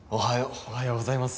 おはようございます。